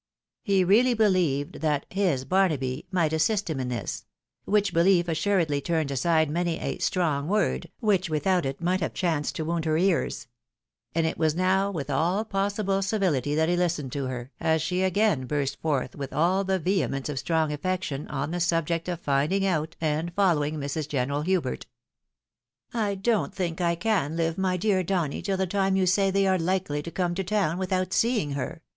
He really believed that " his Barnaby " might assist him in this ; which belief ass^^redly turned aside many a strong, word, which without it might have chanced to wound her ears ; and it was now with all possible civility that he hstened to her, as she again burst forth vrith all the vehemence of strong affec tion on the subject of finding out and following Mrs. General Hubert. " I don't think I can live, my dear Donny, till the time you say they are likely to come to town, without seeing her